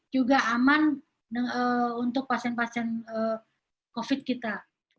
juga aman untuk pasien pasien covid sembilan belas kita